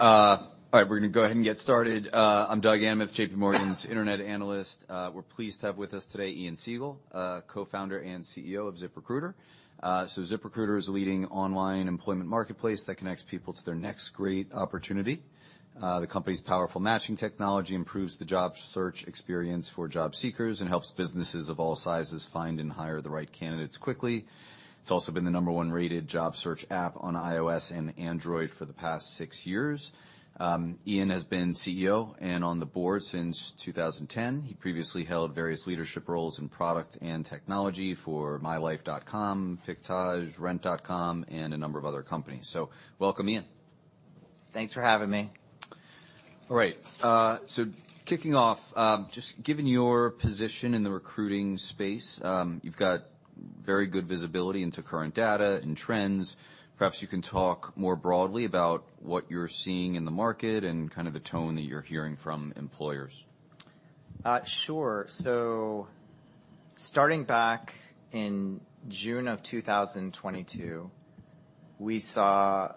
All right. We're gonna go ahead and get started. I'm Douglas Anmuth, JPMorgan's internet analyst. We're pleased to have with us today Ian Siegel, Co-founder and CEO of ZipRecruiter. ZipRecruiter is a leading online employment marketplace that connects people to their next great opportunity. The company's powerful matching technology improves the job search experience for job seekers and helps businesses of all sizes find and hire the right candidates quickly. It's also been the number one rated job search app on iOS and Android for the past 6 years. Ian has been CEO and on the board since 2010. He previously held various leadership roles in product and technology for MyLife.com, Pictage, Rent.com, and a number of other companies. Welcome, Ian. Thanks for having me. All right. Kicking off, just given your position in the recruiting space, you've got very good visibility into current data and trends. Perhaps you can talk more broadly about what you're seeing in the market and kind of the tone that you're hearing from employers. Sure. Starting back in June of 2022, we saw,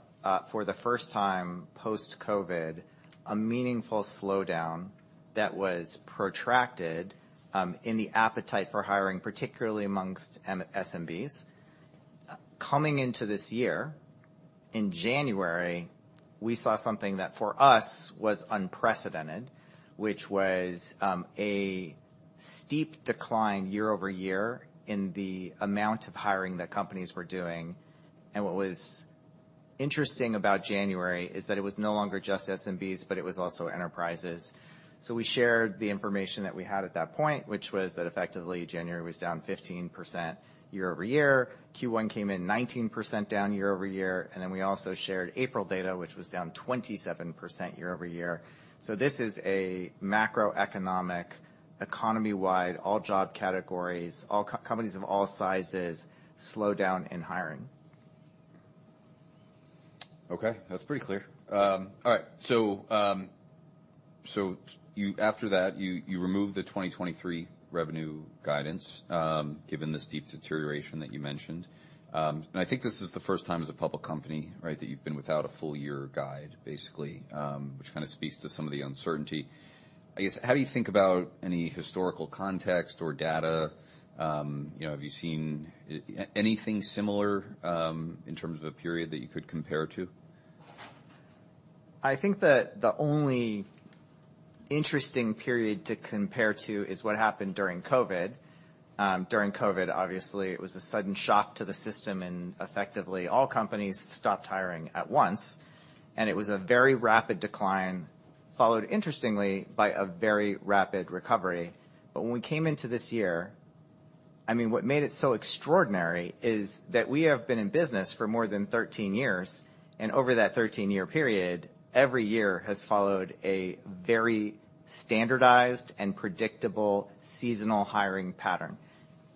for the first time post-COVID, a meaningful slowdown that was protracted, in the appetite for hiring, particularly amongst SMBs. Coming into this year, in January, we saw something that, for us, was unprecedented, which was, a steep decline year-over-year in the amount of hiring that companies were doing. What was interesting about January is that it was no longer just SMBs, but it was also enterprises. We shared the information that we had at that point, which was that effectively January was down 15% year-over-year. Q1 came in 19% down year-over-year, and then we also shared April data, which was down 27% year-over-year. This is a macroeconomic, economy-wide, all job categories, all co-companies of all sizes slowdown in hiring. Okay, that's pretty clear. All right. After that, you removed the 2023 revenue guidance, given the steep deterioration that you mentioned. I think this is the first time as a public company, right, that you've been without a full year guide, basically, which kind of speaks to some of the uncertainty. I guess, how do you think about any historical context or data? You know, have you seen anything similar, in terms of a period that you could compare to? I think that the only interesting period to compare to is what happened during COVID. During COVID, obviously, it was a sudden shock to the system, and effectively, all companies stopped hiring at once, and it was a very rapid decline, followed interestingly by a very rapid recovery. When we came into this year, I mean, what made it so extraordinary is that we have been in business for more than 13 years, and over that 13-year period, every year has followed a very standardized and predictable seasonal hiring pattern.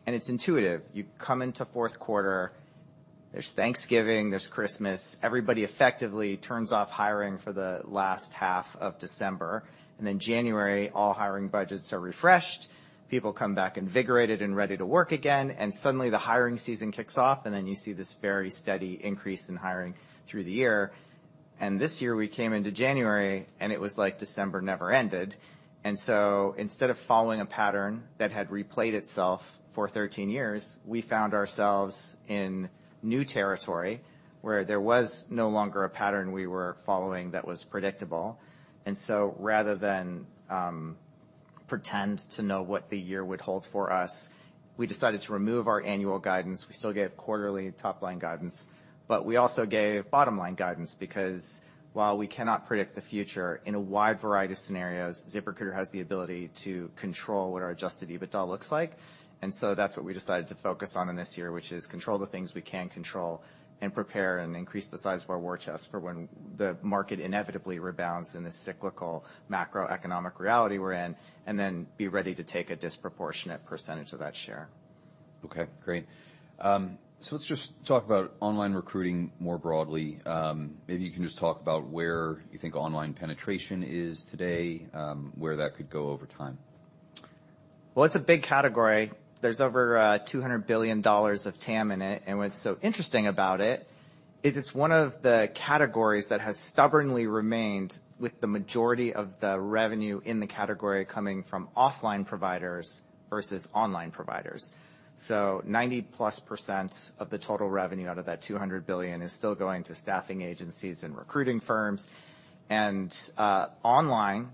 It's intuitive. You come into fourth quarter, there's Thanksgiving, there's Christmas, everybody effectively turns off hiring for the last half of December. January, all hiring budgets are refreshed, people come back invigorated and ready to work again, suddenly the hiring season kicks off, then you see this very steady increase in hiring through the year. This year we came into January, it was like December never ended. Instead of following a pattern that had replayed itself for 13 years, we found ourselves in new territory where there was no longer a pattern we were following that was predictable. Rather than pretend to know what the year would hold for us, we decided to remove our annual guidance. We still gave quarterly top-line guidance, but we also gave bottom-line guidance because while we cannot predict the future in a wide variety of scenarios, ZipRecruiter has the ability to control what our adjusted EBITDA looks like. That's what we decided to focus on in this year, which is control the things we can control and prepare and increase the size of our war chest for when the market inevitably rebounds in the cyclical macroeconomic reality we're in, and then be ready to take a disproportionate percentage of that share. Okay, great. Let's just talk about online recruiting more broadly. Maybe you can just talk about where you think online penetration is today, where that could go over time. Well, it's a big category. There's over $200,000,000,000 of TAM in it, and what's so interesting about it is it's one of the categories that has stubbornly remained with the majority of the revenue in the category coming from offline providers versus online providers. 90%+ of the total revenue out of that $200,000,000,000 is still going to staffing agencies and recruiting firms. Online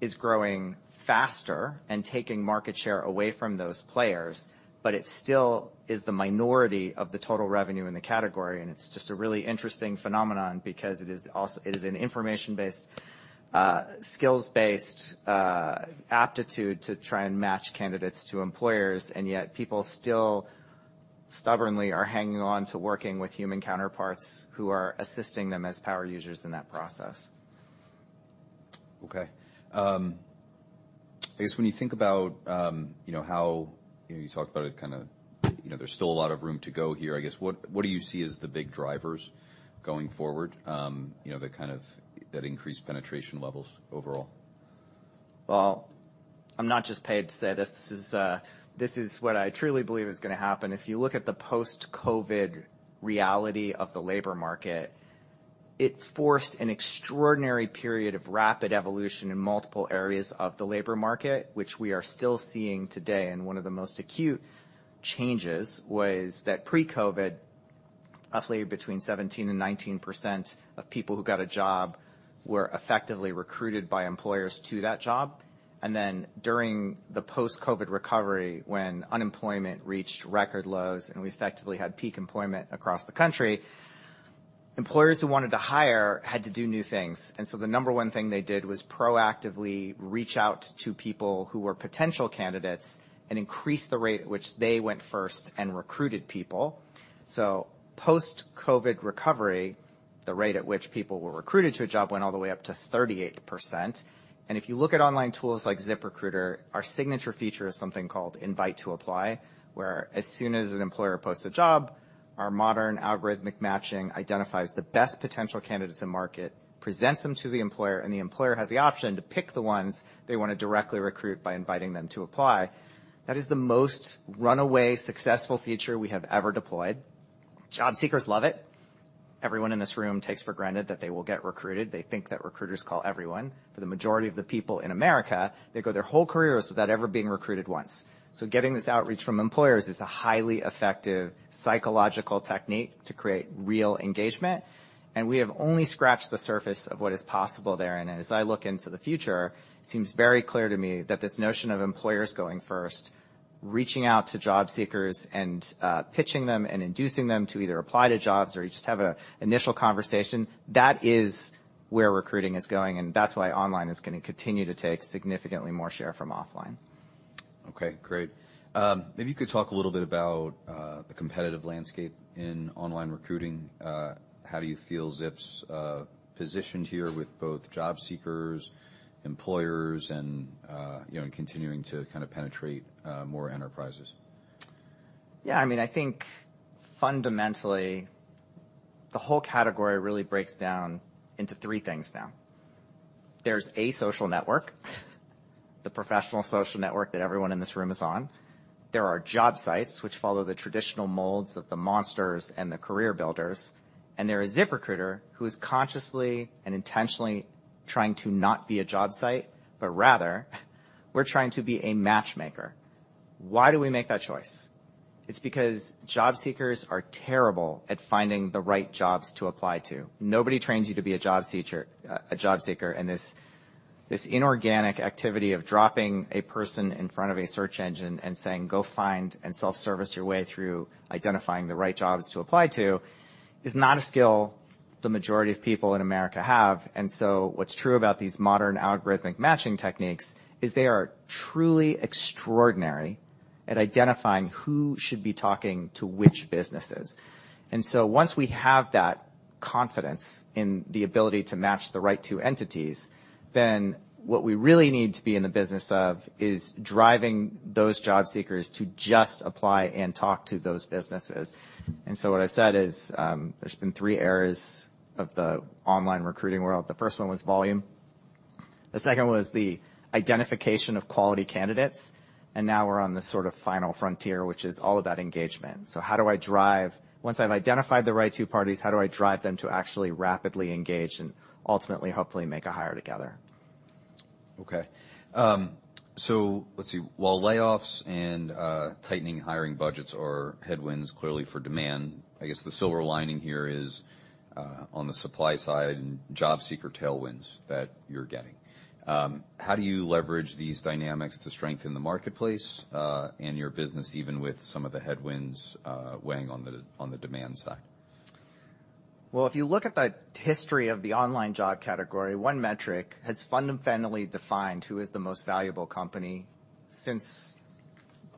is growing faster and taking market share away from those players, but it still is the minority of the total revenue in the category. It's just a really interesting phenomenon because it is also an information-based, skills-based, aptitude to try and match candidates to employers, and yet people still stubbornly are hanging on to working with human counterparts who are assisting them as power users in that process. Okay. I guess when you think about, you know, how, you know, you talked about it kind of, you know, there's still a lot of room to go here. I guess, what do you see as the big drivers going forward, you know, that increase penetration levels overall? Well, I'm not just paid to say this is what I truly believe is gonna happen. If you look at the post-COVID reality of the labor market, it forced an extraordinary period of rapid evolution in multiple areas of the labor market, which we are still seeing today. One of the most acute changes was that pre-COVID, roughly between 17% and 19% of people who got a job were effectively recruited by employers to that job. During the post-COVID recovery, when unemployment reached record lows, and we effectively had peak employment across the country, employers who wanted to hire had to do new things. The number one thing they did was proactively reach out to people who were potential candidates and increase the rate at which they went first and recruited people. Post-COVID recovery, the rate at which people were recruited to a job went all the way up to 38%. If you look at online tools like ZipRecruiter, our signature feature is something called Invite to Apply, where as soon as an employer posts a job, our modern algorithmic matching identifies the best potential candidates in market, presents them to the employer, and the employer has the option to pick the ones they wanna directly recruit by inviting them to apply. That is the most runaway successful feature we have ever deployed. Job seekers love it. Everyone in this room takes for granted that they will get recruited. They think that recruiters call everyone. For the majority of the people in America, they go their whole careers without ever being recruited once. Getting this outreach from employers is a highly effective psychological technique to create real engagement, and we have only scratched the surface of what is possible there. As I look into the future, it seems very clear to me that this notion of employers going first, reaching out to job seekers, and pitching them and inducing them to either apply to jobs or each just have a initial conversation, that is where recruiting is going, and that's why online is gonna continue to take significantly more share from offline. Okay, great. Maybe you could talk a little bit about the competitive landscape in online recruiting. How do you feel Zip's positioned here with both job seekers, employers, and, you know, continuing to kind of penetrate more enterprises? Yeah, I mean, I think fundamentally, the whole category really breaks down into three things now. There's a social network, the professional social network that everyone in this room is on. There are job sites which follow the traditional molds of the Monster and the CareerBuilder, and there is ZipRecruiter, who is consciously and intentionally trying to not be a job site, but rather we're trying to be a matchmaker. Why do we make that choice? It's because job seekers are terrible at finding the right jobs to apply to. Nobody trains you to be a job searcher, a job seeker, and this inorganic activity of dropping a person in front of a search engine and saying, "Go find and self-service your way through identifying the right jobs to apply to," is not a skill the majority of people in America have. What's true about these modern algorithmic matching techniques is they are truly extraordinary at identifying who should be talking to which businesses. Once we have that confidence in the ability to match the right two entities, then what we really need to be in the business of is driving those job seekers to just apply and talk to those businesses. What I've said is, there's been three eras of the online recruiting world. The first one was volume, the second was the identification of quality candidates, and now we're on the sort of final frontier, which is all about engagement. Once I've identified the right two parties, how do I drive them to actually rapidly engage and ultimately, hopefully, make a hire together? Let's see. While layoffs and tightening hiring budgets are headwinds clearly for demand, I guess the silver lining here is on the supply side and job seeker tailwinds that you're getting. How do you leverage these dynamics to strengthen the marketplace and your business, even with some of the headwinds weighing on the on the demand side? Well, if you look at the history of the online job category, one metric has fundamentally defined who is the most valuable company since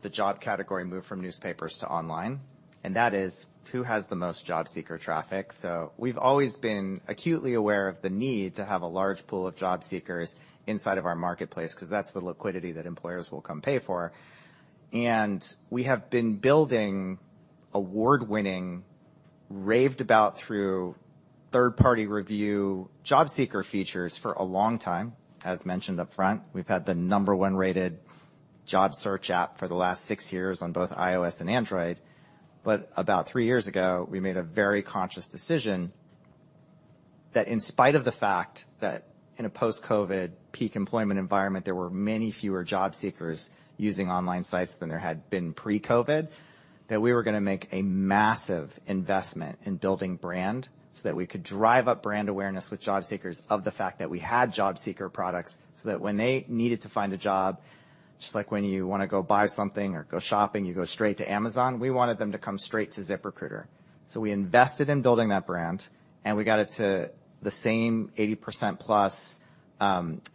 the job category moved from newspapers to online, and that is who has the most job seeker traffic. We've always been acutely aware of the need to have a large pool of job seekers inside of our marketplace, 'cause that's the liquidity that employers will come pay for. We have been building award-winning, raved about through third-party review job seeker features for a long time. As mentioned up front, we've had the number one rated job search app for the last six years on both iOS and Android. About three years ago, we made a very conscious decision that in spite of the fact that in a post-COVID peak employment environment, there were many fewer job seekers using online sites than there had been pre-COVID, that we were gonna make a massive investment in building brand so that we could drive up brand awareness with job seekers of the fact that we had job seeker products, so that when they needed to find a job, just like when you wanna go buy something or go shopping, you go straight to Amazon, we wanted them to come straight to ZipRecruiter. So we invested in building that brand, and we got it to the same 80% plus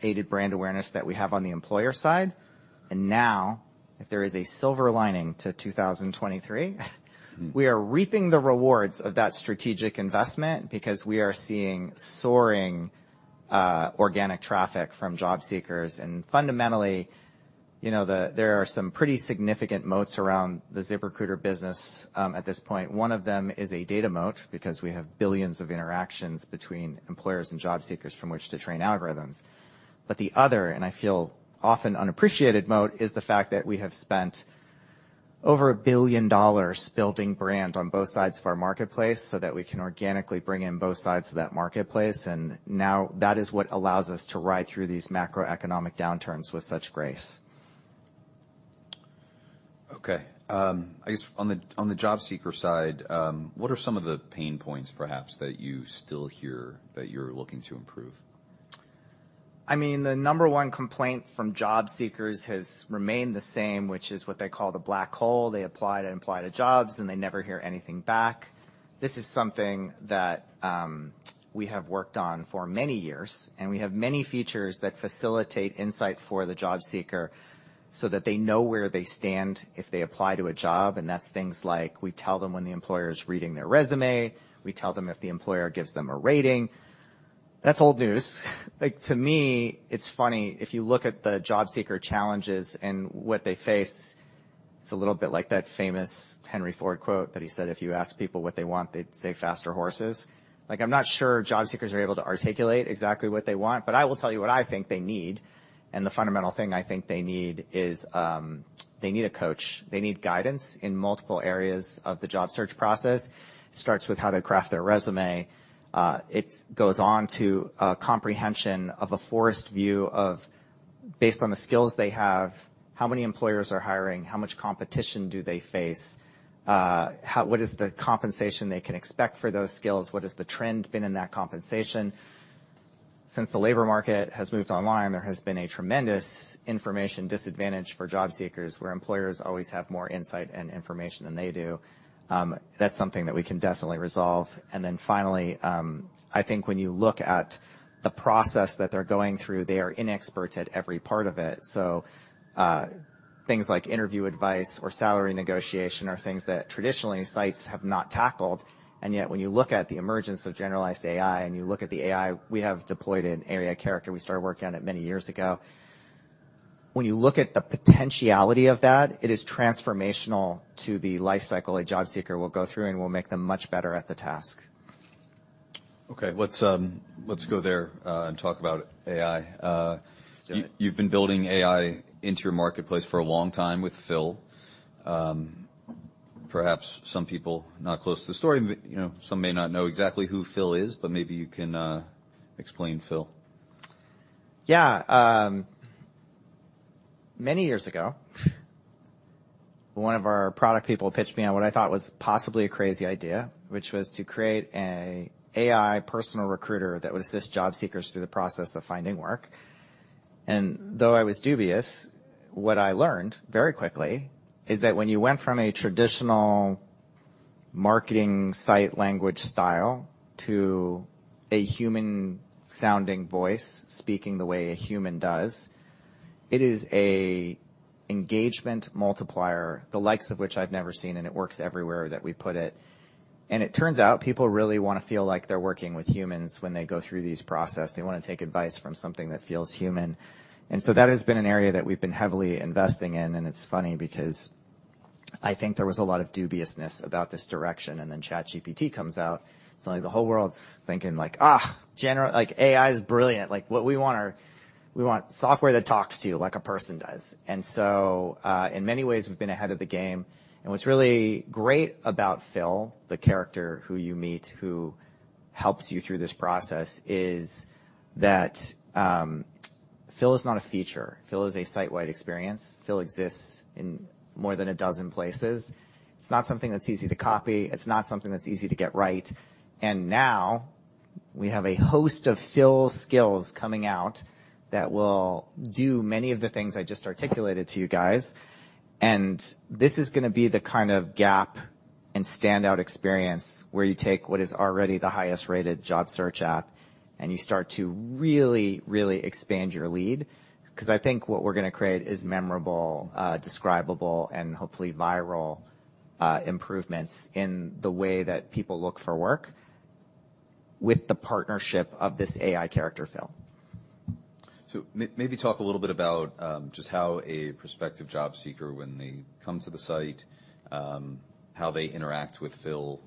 aided brand awareness that we have on the employer side. If there is a silver lining to 2023, we are reaping the rewards of that strategic investment because we are seeing soaring organic traffic from job seekers. fundamentally. You know, there are some pretty significant moats around the ZipRecruiter business at this point. One of them is a data moat, because we have billions of interactions between employers and job seekers from which to train algorithms. The other, and I feel often unappreciated moat, is the fact that we have spent over $1,000,000,000 building brand on both sides of our marketplace so that we can organically bring in both sides to that marketplace. Now that is what allows us to ride through these macroeconomic downturns with such grace. Okay. I guess on the, on the job seeker side, what are some of the pain points perhaps that you still hear that you're looking to improve? I mean, the number one complaint from job seekers has remained the same, which is what they call the black hole. They apply to jobs. They never hear anything back. This is something that we have worked on for many years, and we have many features that facilitate insight for the job seeker so that they know where they stand if they apply to a job. That's things like we tell them when the employer is reading their resume, we tell them if the employer gives them a rating. That's old news. Like, to me, it's funny, if you look at the job seeker challenges and what they face, it's a little bit like that famous Henry Ford quote that he said, "If you ask people what they want, they'd say faster horses." Like, I'm not sure job seekers are able to articulate exactly what they want, but I will tell you what I think they need. The fundamental thing I think they need is, they need a coach. They need guidance in multiple areas of the job search process. It starts with how to craft their resume. It goes on to a comprehension of a forest view of based on the skills they have, how many employers are hiring? How much competition do they face? What is the compensation they can expect for those skills? What is the trend been in that compensation? Since the labor market has moved online, there has been a tremendous information disadvantage for job seekers, where employers always have more insight and information than they do. That's something that we can definitely resolve. Finally, I think when you look at the process that they're going through, they are inexpert at every part of it. Things like interview advice or salary negotiation are things that traditionally sites have not tackled. When you look at the emergence of generalized AI and you look at the AI, we have deployed an AI character, we started working on it many years ago. When you look at the potentiality of that, it is transformational to the life cycle a job seeker will go through and will make them much better at the task. Okay. Let's go there, and talk about AI. Let's do it. You've been building AI into your marketplace for a long time with Phil. Perhaps some people not close to the story, but, you know, some may not know exactly who Phil is, but maybe you can explain Phil. Many years ago, one of our product people pitched me on what I thought was possibly a crazy idea, which was to create a AI personal recruiter that would assist job seekers through the process of finding work. Though I was dubious, what I learned very quickly is that when you went from a traditional marketing site language style to a human sounding voice, speaking the way a human does, it is a engagement multiplier, the likes of which I've never seen, and it works everywhere that we put it. It turns out people really wanna feel like they're working with humans when they go through this process. They wanna take advice from something that feels human. That has been an area that we've been heavily investing in. It's funny because I think there was a lot of dubiousness about this direction, then ChatGPT comes out. Suddenly the whole world's thinking like, "General, like AI is brilliant. Like, what we want are software that talks to you like a person does." In many ways, we've been ahead of the game. What's really great about Phil, the character who you meet, who helps you through this process, is that Phil is not a feature. Phil is a site-wide experience. Phil exists in more than a dozen places. It's not something that's easy to copy. It's not something that's easy to get right. Now we have a host of Phil skills coming out that will do many of the things I just articulated to you guys. This is gonna be the kind of gap and standout experience where you take what is already the highest rated job search app and you start to really, really expand your lead. 'Cause I think what we're gonna create is memorable, describable, and hopefully viral improvements in the way that people look for work with the partnership of this AI character, Phil. Maybe talk a little bit about just how a prospective job seeker, when they come to the site, how they interact with Phil,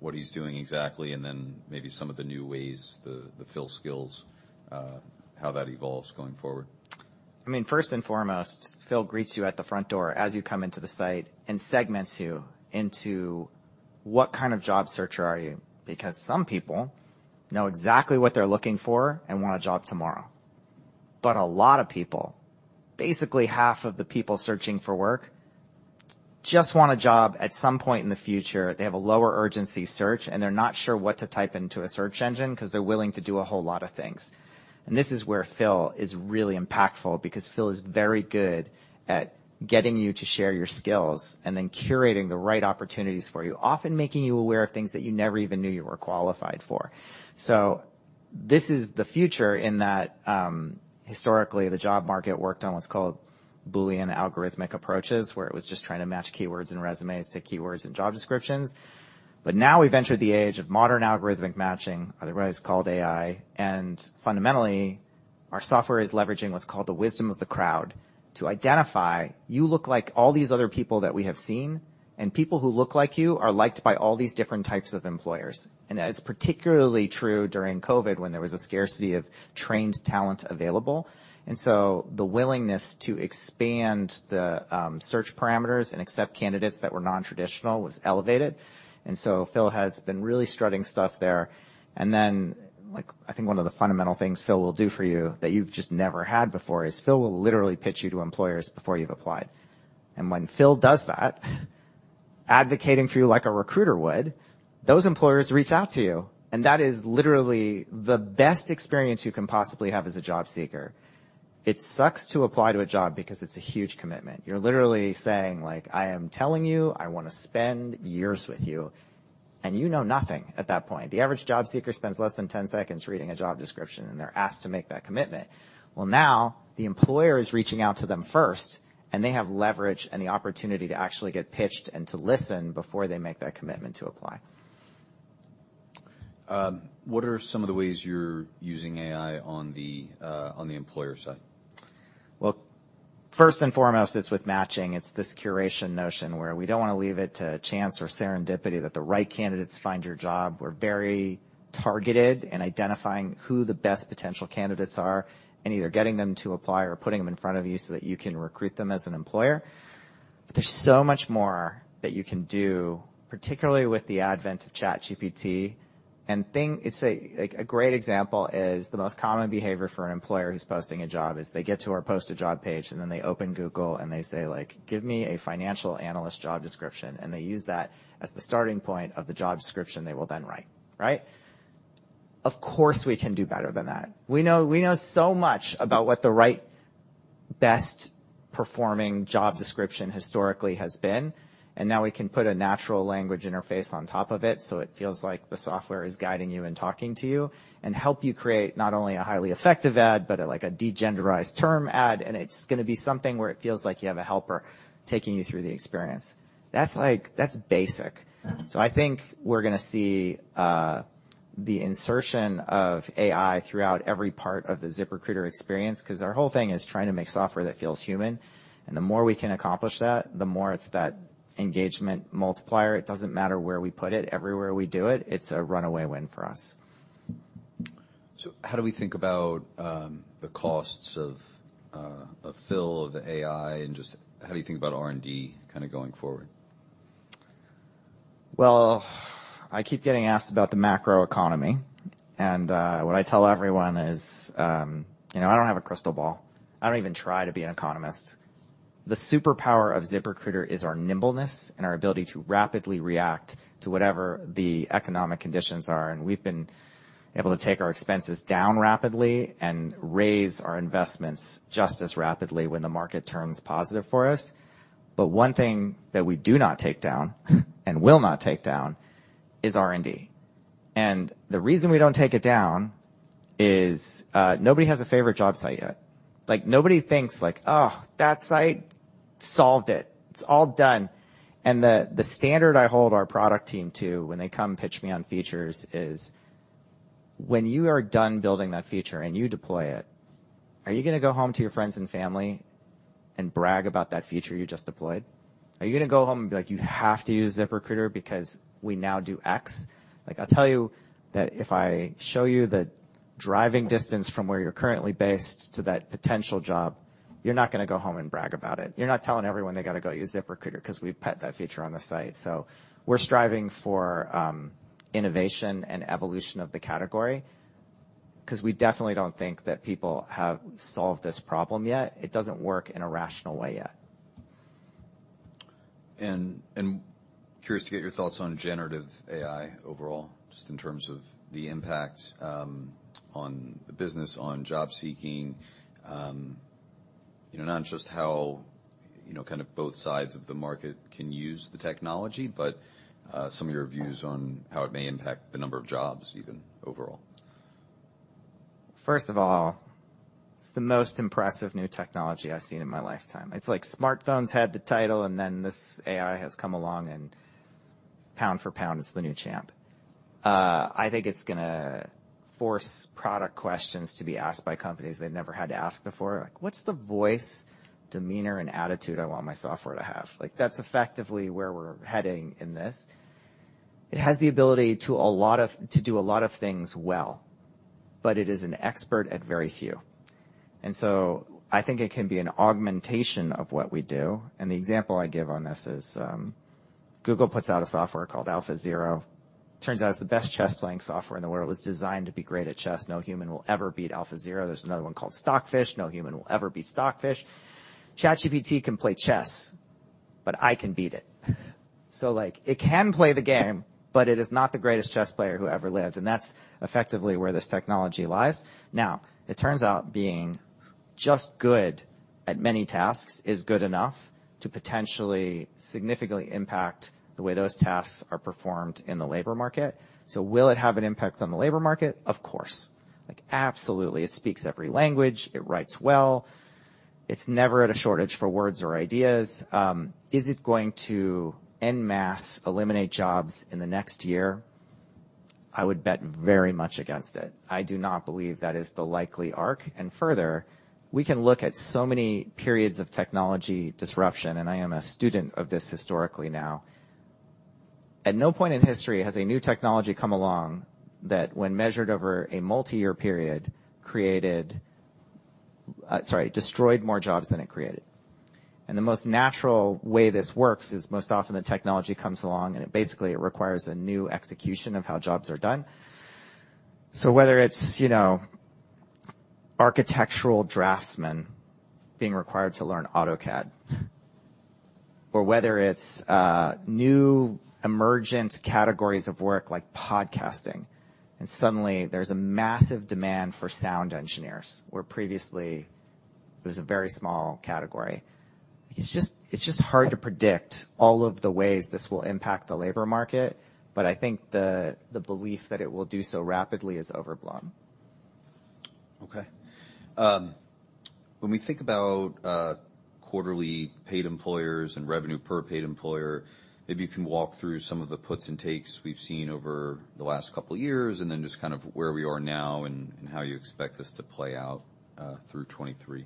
what he's doing exactly, and then maybe some of the new ways the Phil skills, how that evolves going forward. I mean, first and foremost, Phil greets you at the front door as you come into the site and segments you into what kind of job searcher are you, because some people know exactly what they're looking for and want a job tomorrow. A lot of people, basically half of the people searching for work, just want a job at some point in the future. They have a lower urgency search, and they're not sure what to type into a search engine 'cause they're willing to do a whole lot of things. This is where Phil is really impactful because Phil is very good at getting you to share your skills and then curating the right opportunities for you, often making you aware of things that you never even knew you were qualified for. This is the future in that, historically, the job market worked on what's called Boolean algorithmic approaches, where it was just trying to match keywords in resumes to keywords in job descriptions. Now we've entered the age of modern algorithmic matching, otherwise called AI. Fundamentally, our software is leveraging what's called the wisdom of the crowd to identify you look like all these other people that we have seen, and people who look like you are liked by all these different types of employers. That is particularly true during COVID, when there was a scarcity of trained talent available. The willingness to expand the search parameters and accept candidates that were non-traditional was elevated. Phil has been really strutting stuff there. Like, I think one of the fundamental things Phil will do for you that you've just never had before is Phil will literally pitch you to employers before you've applied. When Phil does that, advocating for you like a recruiter would, those employers reach out to you, and that is literally the best experience you can possibly have as a job seeker. It sucks to apply to a job because it's a huge commitment. You're literally saying, like, "I am telling you I wanna spend years with you," and you know nothing at that point. The average job seeker spends less than 10 seconds reading a job description, and they're asked to make that commitment. Well, now the employer is reaching out to them first, and they have leverage and the opportunity to actually get pitched and to listen before they make that commitment to apply. What are some of the ways you're using AI on the on the employer side? Well, first and foremost, it's with matching. It's this curation notion where we don't wanna leave it to chance or serendipity that the right candidates find your job. We're very targeted in identifying who the best potential candidates are and either getting them to apply or putting them in front of you so that you can recruit them as an employer. There's so much more that you can do, particularly with the advent of ChatGPT. Like, a great example is the most common behavior for an employer who's posting a job is they get to our post a job page, and then they open Google, and they say, like, "Give me a financial analyst job description." They use that as the starting point of the job description they will then write, right? Of course, we can do better than that. We know so much about what the right best-performing job description historically has been, and now we can put a natural language interface on top of it, so it feels like the software is guiding you and talking to you, and help you create not only a highly effective ad, but, like, a degenderized term ad, and it's gonna be something where it feels like you have a helper taking you through the experience. That's like. That's basic. Mm-hmm. I think we're gonna see the insertion of AI throughout every part of the ZipRecruiter experience, 'cause our whole thing is trying to make software that feels human. The more we can accomplish that, the more it's that engagement multiplier. It doesn't matter where we put it. Everywhere we do it's a runaway win for us. How do we think about, the costs of Phil, of AI, and just how do you think about R&D kinda going forward? Well, I keep getting asked about the macroeconomy, and what I tell everyone is, you know, I don't have a crystal ball. I don't even try to be an economist. The superpower of ZipRecruiter is our nimbleness and our ability to rapidly react to whatever the economic conditions are, and we've been able to take our expenses down rapidly and raise our investments just as rapidly when the market turns positive for us. One thing that we do not take down and will not take down is R&D. The reason we don't take it down is, nobody has a favorite job site yet. Like, nobody thinks, like, "Ugh, that site solved it. It's all done." The standard I hold our product team to when they come pitch me on features is, when you are done building that feature and you deploy it, are you gonna go home to your friends and family and brag about that feature you just deployed? Are you gonna go home and be like, "You have to use ZipRecruiter because we now do X"? Like, I'll tell you that if I show you the driving distance from where you're currently based to that potential job, you're not gonna go home and brag about it. You're not telling everyone they gotta go use ZipRecruiter 'cause we've put that feature on the site. We're striving for innovation and evolution of the category, 'cause we definitely don't think that people have solved this problem yet. It doesn't work in a rational way yet. Curious to get your thoughts on generative AI overall, just in terms of the impact, on the business, on job seeking. You know, not just how, you know, kind of both sides of the market can use the technology, but, some of your views on how it may impact the number of jobs even overall. First of all, it's the most impressive new technology I've seen in my lifetime. It's like smartphones had the title, and then this AI has come along and pound for pound is the new champ. I think it's gonna force product questions to be asked by companies they've never had to ask before. Like, what's the voice, demeanor, and attitude I want my software to have? Like, that's effectively where we're heading in this. It has the ability to do a lot of things well, but it is an expert at very few. So I think it can be an augmentation of what we do. The example I give on this is, Google puts out a software called AlphaZero. Turns out it's the best chess-playing software in the world. It was designed to be great at chess. No human will ever beat AlphaZero. There's another one called Stockfish. No human will ever beat Stockfish. ChatGPT can play chess, but I can beat it. Like, it can play the game, but it is not the greatest chess player who ever lived, and that's effectively where this technology lies. Now, it turns out being just good at many tasks is good enough to potentially significantly impact the way those tasks are performed in the labor market. Will it have an impact on the labor market? Of course. Absolutely. It speaks every language. It writes well. It's never at a shortage for words or ideas. Is it going to en masse eliminate jobs in the next year? I would bet very much against it. I do not believe that is the likely arc. Further, we can look at so many periods of technology disruption, and I am a student of this historically now. At no point in history has a new technology come along that when measured over a multi-year period, created, sorry, destroyed more jobs than it created. The most natural way this works is most often the technology comes along, and it basically requires a new execution of how jobs are done. Whether it's, you know, architectural draftsmen being required to learn AutoCAD or whether it's new emergent categories of work like podcasting, and suddenly there's a massive demand for sound engineers, where previously it was a very small category. It's just hard to predict all of the ways this will impact the labor market, but I think the belief that it will do so rapidly is overblown. Okay. When we think about quarterly paid employers and revenue per paid employer, maybe you can walk through some of the puts and takes we've seen over the last couple of years and then just kind of where we are now and how you expect this to play out through 2023.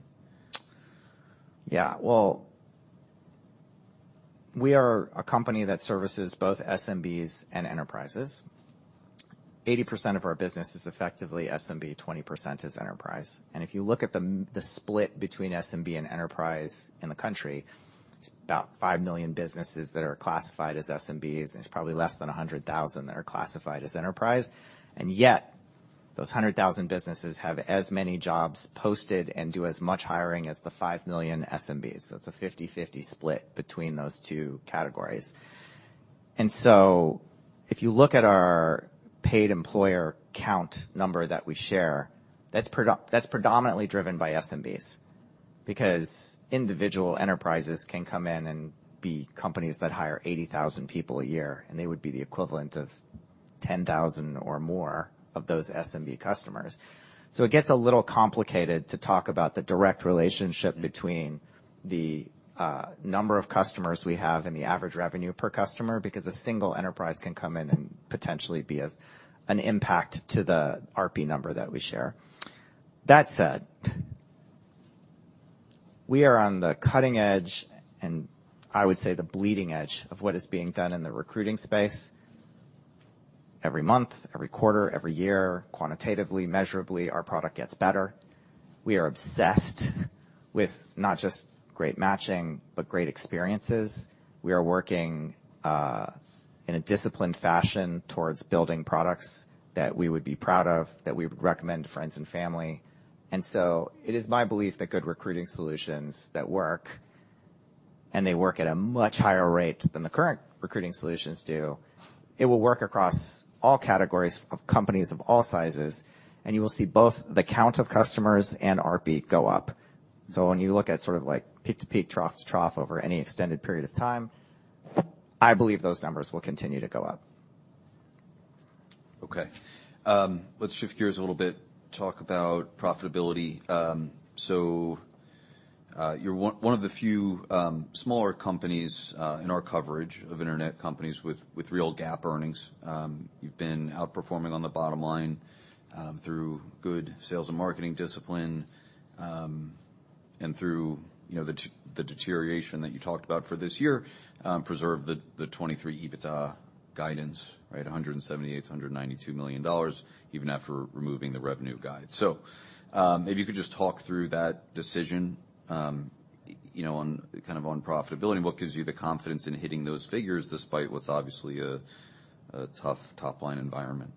Yeah. Well, we are a company that services both SMBs and enterprises. 80% of our business is effectively SMB, 20% is enterprise. If you look at the split between SMB and enterprise in the country, it's about 5,000,000 businesses that are classified as SMBs, and it's probably less than 100,000 that are classified as enterprise. Yet, those 100,000 businesses have as many jobs posted and do as much hiring as the 5,000,000 SMBs. It's a 50/50 split between those two categories. If you look at our paid employer count number that we share, that's predominantly driven by SMBs because individual enterprises can come in and be companies that hire 80,000 people a year, and they would be the equivalent of 10,000 or more of those SMB customers. It gets a little complicated to talk about the direct relationship between the number of customers we have and the average revenue per customer, because a single enterprise can come in and potentially be as an impact to the RP number that we share. We are on the cutting edge, and I would say the bleeding edge of what is being done in the recruiting space. Every month, every quarter, every year, quantitatively, measurably, our product gets better. We are obsessed with not just great matching, but great experiences. We are working in a disciplined fashion towards building products that we would be proud of, that we would recommend to friends and family. It is my belief that good recruiting solutions that work, and they work at a much higher rate than the current recruiting solutions do, it will work across all categories of companies of all sizes, and you will see both the count of customers and RP go up. When you look at sort of like peak to peak, trough to trough over any extended period of time, I believe those numbers will continue to go up. Okay. Let's shift gears a little bit, talk about profitability. You're one of the few smaller companies in our coverage of internet companies with real GAAP earnings. You've been outperforming on the bottom line through good sales and marketing discipline, and through, you know, the deterioration that you talked about for this year, preserved the 2023 EBITDA guidance, right, $178,000,000-$192,000,000, even after removing the revenue guide. Maybe you could just talk through that decision, you know, on kind of on profitability. What gives you the confidence in hitting those figures despite what's obviously a tough top-line environment?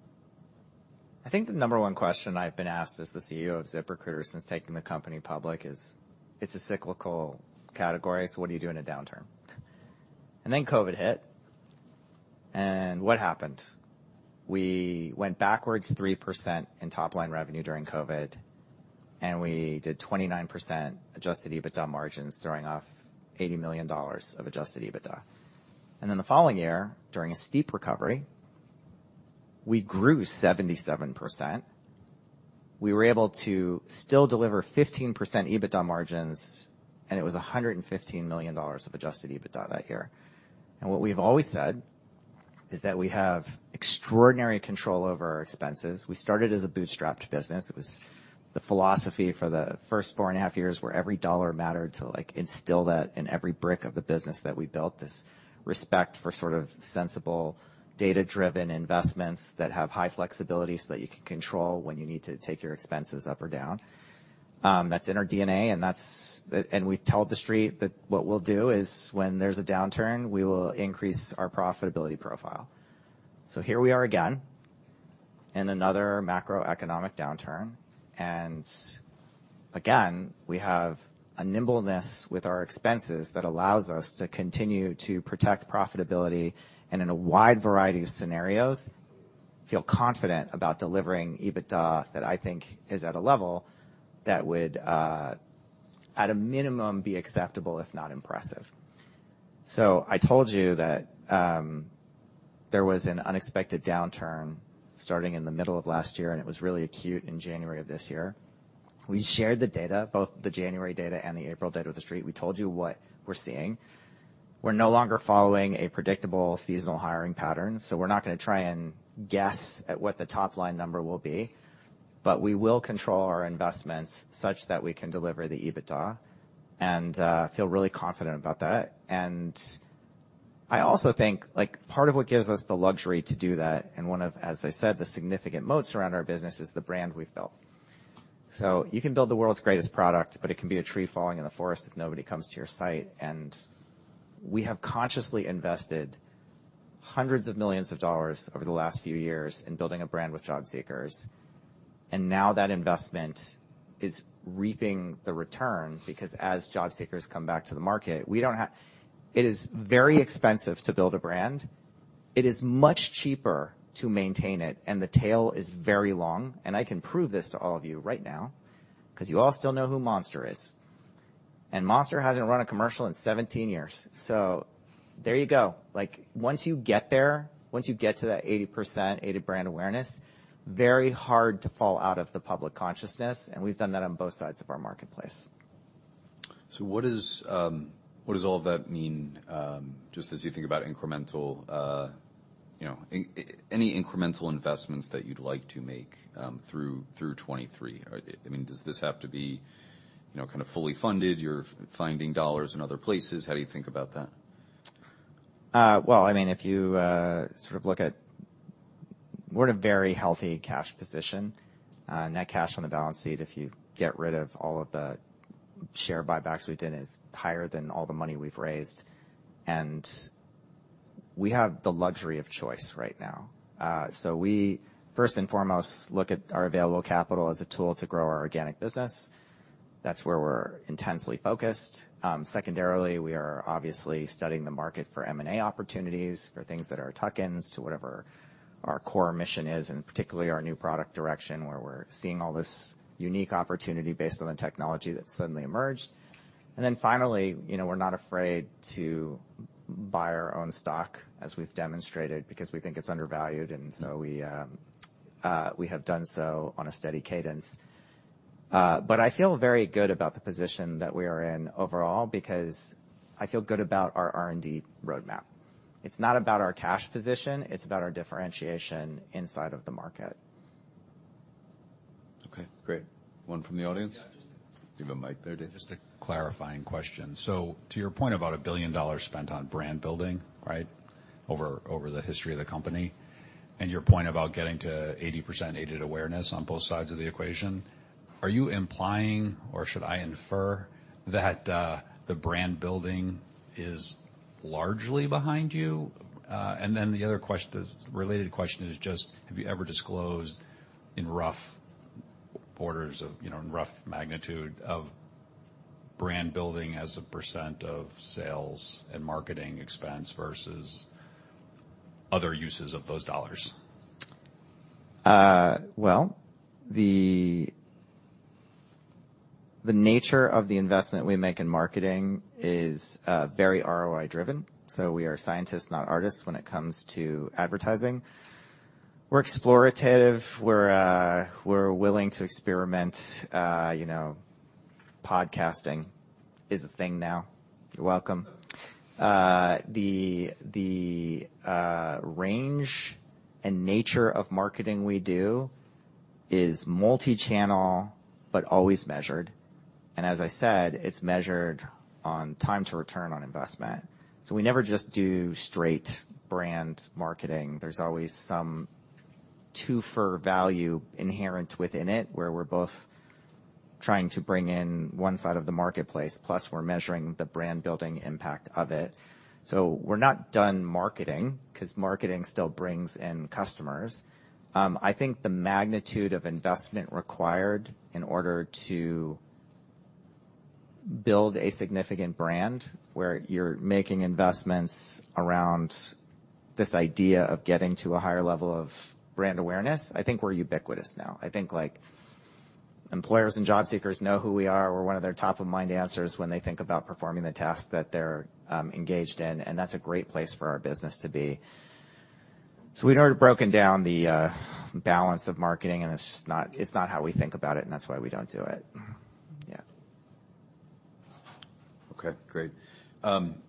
I think the number 1 question I've been asked as the CEO of ZipRecruiter since taking the company public is, it's a cyclical category, so what do you do in a downturn? COVID hit, and what happened? We went backwards 3% in top-line revenue during COVID, and we did 29% adjusted EBITDA margins, throwing off $80,000,000 of adjusted EBITDA. The following year, during a steep recovery, we grew 77%. We were able to still deliver 15% EBITDA margins, and it was $115,000,000 of adjusted EBITDA that year. What we've always said is that we have extraordinary control over our expenses. We started as a bootstrapped business. It was the philosophy for the first four and a half years where every dollar mattered to, like, instill that in every brick of the business that we built, this respect for sort of sensible data-driven investments that have high flexibility so that you can control when you need to take your expenses up or down. That's in our DNA and we've told the street that what we'll do is when there's a downturn, we will increase our profitability profile. Here we are again in another macroeconomic downturn. Again, we have a nimbleness with our expenses that allows us to continue to protect profitability, and in a wide variety of scenarios, feel confident about delivering EBITDA that I think is at a level that would, at a minimum, be acceptable if not impressive. I told you that There was an unexpected downturn starting in the middle of last year, and it was really acute in January of this year. We shared the data, both the January data and the April data, with The Street. We told you what we're seeing. We're no longer following a predictable seasonal hiring pattern, so we're not gonna try and guess at what the top-line number will be, but we will control our investments such that we can deliver the EBITDA and feel really confident about that. I also think, like, part of what gives us the luxury to do that, and one of, as I said, the significant moats around our business is the brand we've built. You can build the world's greatest product, but it can be a tree falling in the forest if nobody comes to your site. We have consciously invested hundreds of millions of dollars over the last few years in building a brand with job seekers, and now that investment is reaping the return because as job seekers come back to the market, we don't have. It is very expensive to build a brand. It is much cheaper to maintain it, and the tail is very long. I can prove this to all of you right now, 'cause you all still know who Monster is. Monster hasn't run a commercial in 17 years. There you go. Like, once you get there, once you get to that 80% aided brand awareness, very hard to fall out of the public consciousness, and we've done that on both sides of our marketplace. What does what does all that mean just as you think about incremental any incremental investments that you'd like to make through 2023? Does this have to be kind of fully funded? You're finding dollars in other places. How do you think about that? Well, I mean, if you sort of look at we're in a very healthy cash position. Net cash on the balance sheet, if you get rid of all of the share buybacks we've done, is higher than all the money we've raised. We have the luxury of choice right now. We first and foremost look at our available capital as a tool to grow our organic business. That's where we're intensely focused. Secondarily, we are obviously studying the market for M&A opportunities for things that are tuck-ins to whatever our core mission is, and particularly our new product direction, where we're seeing all this unique opportunity based on the technology that's suddenly emerged. Finally, you know, we're not afraid to buy our own stock, as we've demonstrated, because we think it's undervalued, and so we have done so on a steady cadence. I feel very good about the position that we are in overall because I feel good about our R&D roadmap. It's not about our cash position, it's about our differentiation inside of the market. Okay, great. One from the audience. Yeah, just. Leave the mic there, Dave. Just a clarifying question. To your point about $1,000,000,000 spent on brand building, right? Over the history of the company, and your point about getting to 80% aided awareness on both sides of the equation, are you implying, or should I infer, that the brand building is largely behind you? The other related question is just, have you ever disclosed in rough orders of, you know, in rough magnitude of brand building as a percent of sales and marketing expense versus other uses of those dollars? Well, the nature of the investment we make in marketing is very ROI-driven. We are scientists, not artists, when it comes to advertising. We're explorative. We're willing to experiment. You know, podcasting is a thing now. You're welcome. The range and nature of marketing we do is multi-channel but always measured. As I said, it's measured on time to return on investment. We never just do straight brand marketing. There's always some two-fer value inherent within it, where we're both trying to bring in one side of the marketplace, plus we're measuring the brand-building impact of it. We're not done marketing, 'cause marketing still brings in customers. I think the magnitude of investment required in order to build a significant brand where you're making investments around this idea of getting to a higher level of brand awareness, I think we're ubiquitous now. I think, like, employers and job seekers know who we are. We're one of their top-of-mind answers when they think about performing the task that they're engaged in, and that's a great place for our business to be. We've never broken down the balance of marketing, it's just not, it's not how we think about it, and that's why we don't do it. Yeah. Okay, great.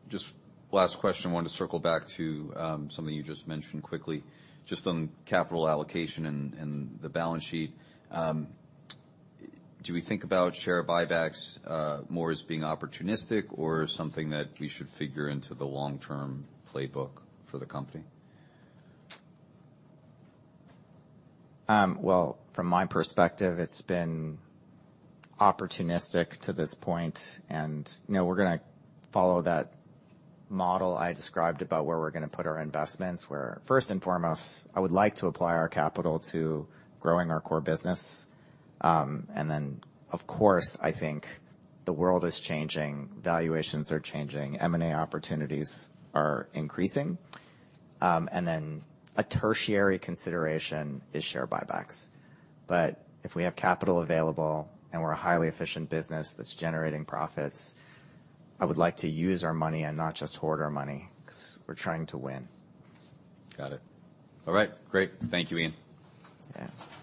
Just last question. I wanted to circle back to something you just mentioned quickly. Just on capital allocation and the balance sheet, do we think about share buybacks more as being opportunistic or something that we should figure into the long-term playbook for the company? Well, from my perspective, it's been opportunistic to this point. You know, we're gonna follow that model I described about where we're gonna put our investments, where first and foremost, I would like to apply our capital to growing our core business. Then, of course, I think the world is changing, valuations are changing, M&A opportunities are increasing. Then a tertiary consideration is share buybacks. If we have capital available, and we're a highly efficient business that's generating profits, I would like to use our money and not just hoard our money, 'cause we're trying to win. Got it. All right. Great. Thank you, Ian. Yeah.